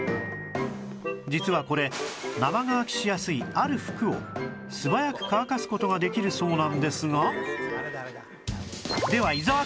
実はこれ生乾きしやすいある服を素早く乾かす事ができるそうなんですが